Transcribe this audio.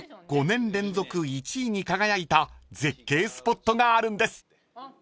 ５年連続１位に輝いた絶景スポットがあるんです］